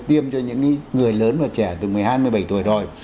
tiêm cho những người lớn và trẻ từ một mươi hai một mươi bảy tuổi rồi